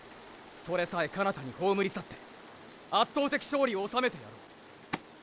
それさえ彼方に葬り去って圧倒的勝利を収めてやろう！